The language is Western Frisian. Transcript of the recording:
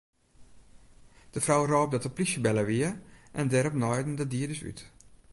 De frou rôp dat de plysje belle wie en dêrop naaiden de dieders út.